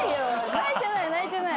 泣いてない泣いてない。